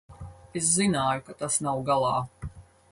Es zināju, ka tas nav galā.